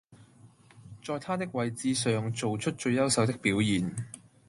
在他的位置上做出最優秀的表現